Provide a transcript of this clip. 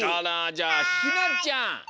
じゃあひなちゃん。